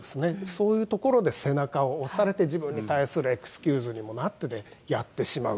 そういうところで背中を押されて、自分に対するエクスキューズにもなって、やってしまう。